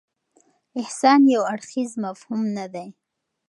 احسان یو اړخیز مفهوم نه دی.